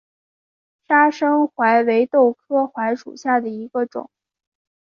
砂生槐为豆科槐属下的一个种。